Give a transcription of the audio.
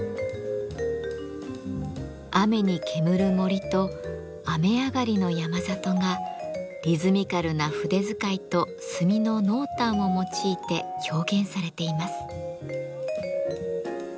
雨に煙る森と雨上がりの山里がリズミカルな筆遣いと墨の濃淡を用いて表現されています。